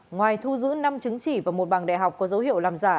ngoài thu giữ năm chứng chỉ và một bằng đại học có dấu hiệu làm giả